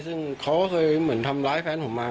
สงสัยไปตอนไหน